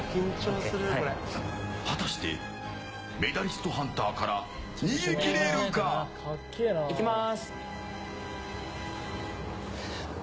果たしてメダリストハンターからいきます！